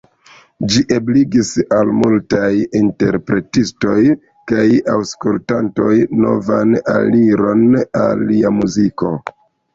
Ĝi ebligis al multaj interpretistoj kaj aŭskultantoj novan aliron al lia muziko.